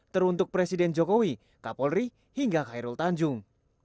teruntuk presiden jokowi kapolri hingga khairul tanjung